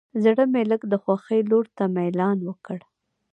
زړه مې لږ د خوښۍ لور ته میلان وکړ.